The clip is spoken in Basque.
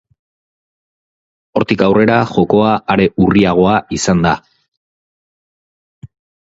Hortik aurrera jokoa are urriagoa izan da.